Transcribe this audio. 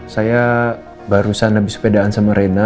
saya barusan lebih sepedaan sama reina